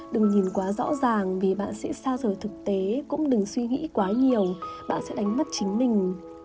đừng nhìn quá rõ ràng vì bạn sẽ xa rời thực tế cũng đừng suy nghĩ quá nhiều bạn sẽ đánh mất chính mình